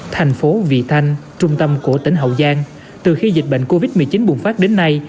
thành phố vị thanh trung tâm của tỉnh hậu giang từ khi dịch bệnh covid một mươi chín bùng phát đến nay